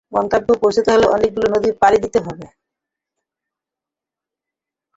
গন্তব্যে পৌছাতে হলে অনেকগুলো নদী পাড়ি দিতে হবে।